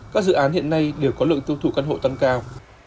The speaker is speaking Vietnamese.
các dự án hiện nay đều có lượng tiêu thụ căn hộ tăng cao